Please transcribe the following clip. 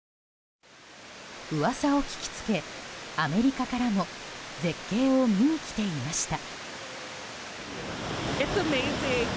噂を聞きつけ、アメリカからも絶景を見に来ていました。